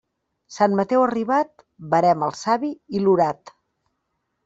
Sant Mateu arribat, verema el savi i l'orat.